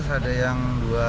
ada yang dua puluh lima